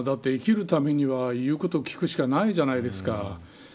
生きるためには言うこと聞くしかないじゃないですか。